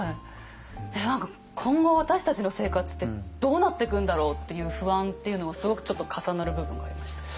何か今後私たちの生活ってどうなっていくんだろうっていう不安っていうのもすごくちょっと重なる部分がありました。